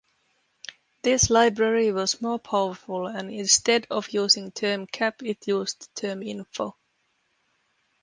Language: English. This library was more powerful and instead of using termcap, it used terminfo.